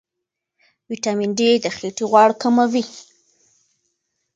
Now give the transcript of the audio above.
ویټامین ډي د خېټې غوړ کموي.